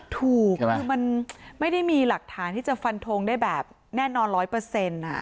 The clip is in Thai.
ถูกคือมันไม่ได้มีหลักฐานที่จะฟันทงได้แบบแน่นอนร้อยเปอร์เซ็นต์